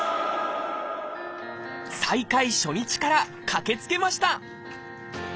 再開初日から駆けつけました